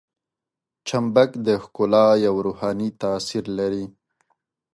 چمبک د ښکلا یو روحاني تاثیر لري.